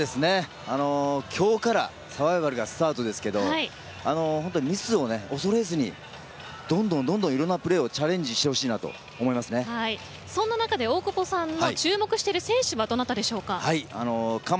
今日から、サバイバルがスタートですけども本当、ミスを恐れずにどんどんいろんなプレーにチャレンジしてほしいなとそんな中で大久保さんが注目している選手はどなたでしょうか。